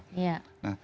oke iya nah